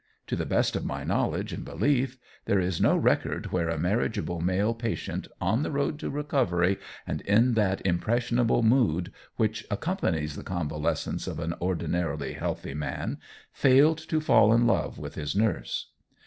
To the best of my knowledge and belief there is no record where a marriageable male patient on the road to recovery and in that impressionable mood which accompanies the convalescence of an ordinarily healthy man, failed to fall in love with his nurse.